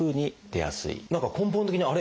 何か根本的にあれ？